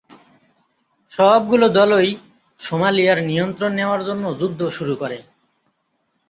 সবগুলো দলই সোমালিয়ার নিয়ন্ত্রণ নেওয়ার জন্য যুদ্ধ শুরু করে।